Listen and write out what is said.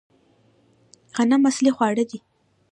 غنم اصلي خواړه دي